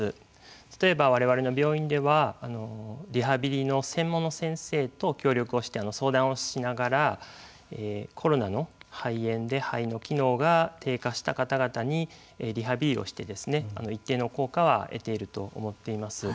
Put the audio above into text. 例えば、われわれの病院ではリハビリの専門の先生と協力をして相談をしながらコロナの肺炎で肺の機能が低下した方々にリハビリをして一定の効果は出ていると思っています。